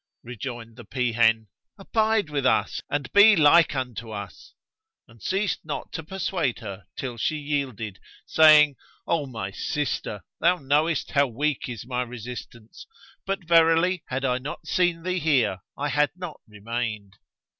Rejoined the peahen, "Abide with us, and be like unto, us;" and ceased not to persuade her, till she yielded, saying, "O my sister, thou knowest how weak is my resistance; but verily had I not seen thee here, I had not remained."